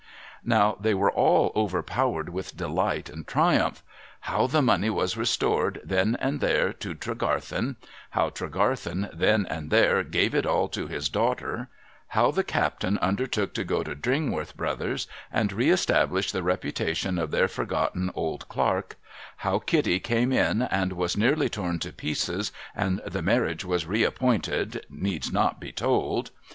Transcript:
How they were all overpowered with delight and triumph ; how the money was restored, then and there, to Tregarthen ; how Tre garthen, then and there, gave it all to his daughter ; how the captain undertook to go to Dringworth Brothers and reestablish the repu tation of their forgotten old clerk ; how Kitty came in, and was nearly torn to pieces, and the marriage was reappointed, needs not to be told.